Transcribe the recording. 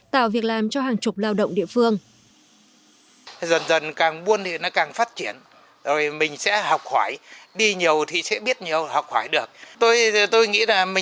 tạo việc làm cho hàng chục lao động địa phương